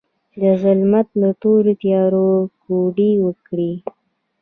د ظلمت تورو تیارو، کوډې وکړې